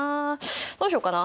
どうしようかな。